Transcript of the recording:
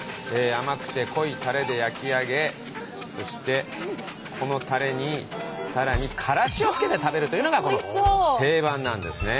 甘くて濃いタレで焼き上げそしてこのタレにさらにからしをつけて食べるというのが定番なんですね。